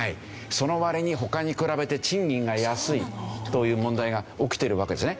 その割に他に比べて賃金が安いという問題が起きてるわけですね。